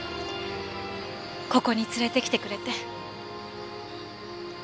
ここに連れて来てくれて。